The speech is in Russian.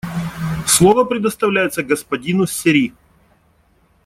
Слово предоставляется господину Серри.